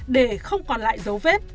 để không còn lại dấu vết